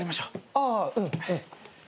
ああうんうん。